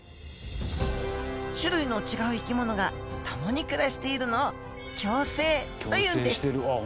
種類の違う生き物が共に暮らしているのを「共生」というんですああ